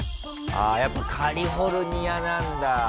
あやっぱカリフォルニアなんだ。